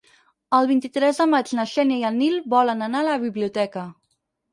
El vint-i-tres de maig na Xènia i en Nil volen anar a la biblioteca.